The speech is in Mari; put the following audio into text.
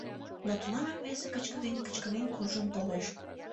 Но тунамак весе кычкырен-кычкырен куржын толеш.